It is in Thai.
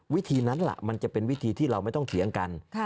วิธีนั้นล่ะมันจะเป็นวิธีที่เราไม่ต้องเถียงกัน